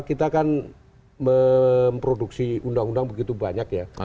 kita kan memproduksi undang undang begitu banyak ya